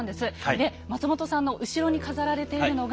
で松本さんの後ろに飾られているのが。